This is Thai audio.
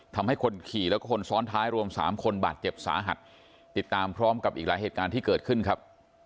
ทำให้คนขี่แล้วก็คนซ้อนท้ายรวมสามคนบาดเจ็บสาหัสติดตามพร้อมกับอีกหลายเหตุการณ์ที่เกิดขึ้นครับ